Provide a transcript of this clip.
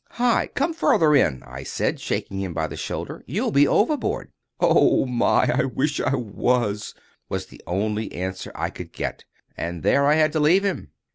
"Hi! come further in," I said, shaking him by the shoulder. "You'll be overboard." "Oh my! I wish I was," was the only answer I could get; and there I had to leave him.